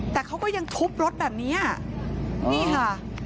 แต่เขาก็ยังทุบรถแบบนี้นี่ค่ะ